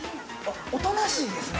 おとなしいですね。